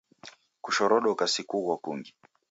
Kushorodoka si kughwa kungi